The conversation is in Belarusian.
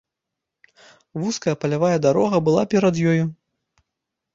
Вузкая палявая дарога была перад ёю.